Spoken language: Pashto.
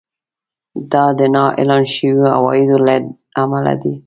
دا د نااعلان شويو عوایدو له امله دی